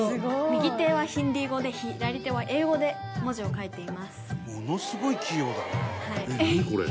「右手はヒンディー語で左手は英語で文字を書いています」「ものすごい器用だね」